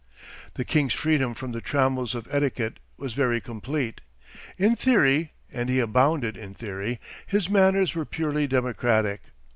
The king's freedom from the trammels of etiquette was very complete. In theory—and he abounded in theory—his manners were purely democratic.